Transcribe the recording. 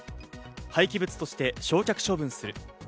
廃棄物として焼却処分する。